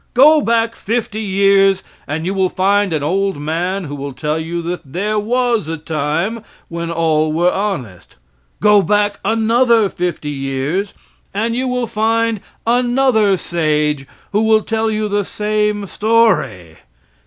Go back fifty years and you will find an old man who will tell you that there was a time when all were honest. Go back another fifty years and you will find another sage who will tell you the same story.